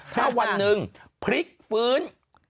ถ้าวันหนึ่งพลิกฟื้น